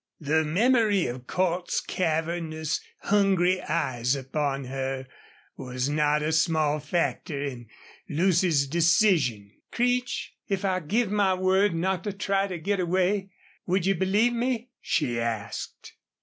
The memory of Cordts's cavernous, hungry eyes upon her was not a small factor in Lucy's decision. "Creech, if I give my word not to try to get away, would you believe me?" she asked.